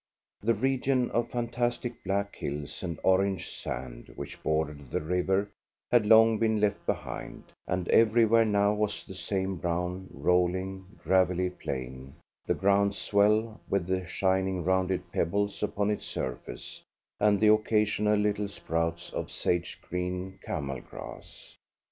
The region of fantastic black hills and orange sand which bordered the river had long been left behind, and everywhere now was the same brown, rolling, gravelly plain, the ground swell with the shining rounded pebbles upon its surface, and the occasional little sprouts of sage green camel grass.